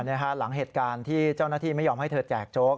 หลังเหตุการณ์ที่เจ้าหน้าที่ไม่ยอมให้เธอแจกโจ๊ก